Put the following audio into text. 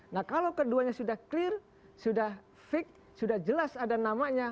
nah kalau keduanya sudah clear sudah fix sudah jelas ada namanya